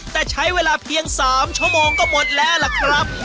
แต่ใช้เวลาเพียง๓ชั่วโมงก็หมดแล้วล่ะครับ